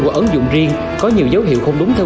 của ấn dụng riêng có nhiều dấu hiệu không đúng theo